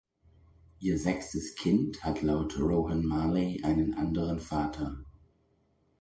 Ihr sechstes Kind hat laut Rohan Marley einen anderen Vater.